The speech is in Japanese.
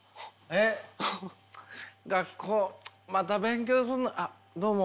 学校また勉強すんのあどうも。